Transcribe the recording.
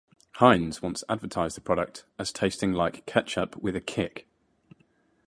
Heinz once advertised the product as tasting "like ketchup with a kick".